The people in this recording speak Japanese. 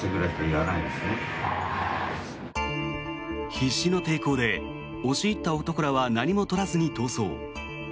必死の抵抗で押し入った男らは何も取らずに逃走。